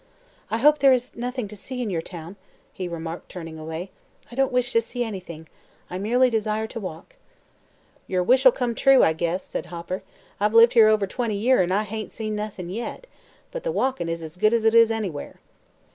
"I hope there is, nothing to see in your town," he remarked, turning away. "I don't wish to see anything. I merely desire to walk." "Yer wish'll come true, I guess," said Hopper. "I've lived here over twenty year an' I hain't seen noth'n' yet. But the walkin' is as good as it is anywhere."